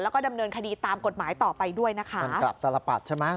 แล้วก็ดำเนินคดีตามกฎหมายต่อไปด้วยนะคะเหมือนกับสารปัดใช่ไหม